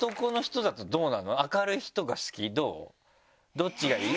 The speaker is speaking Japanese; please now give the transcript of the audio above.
どっちがいい？